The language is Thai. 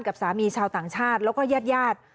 กับสามีชาวต่างชาติแล้วก็ญาติญาติ